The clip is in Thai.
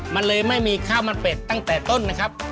มันเลยไม่มีข้าวมันเป็ดตั้งแต่ต้นนะครับ